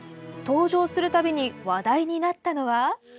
登場するたびに話題になったのは。